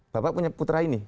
bapak punya putra ini